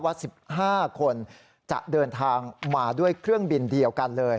ว่า๑๕คนจะเดินทางมาด้วยเครื่องบินเดียวกันเลย